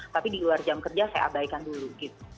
tapi di luar jam kerja saya abaikan dulu gitu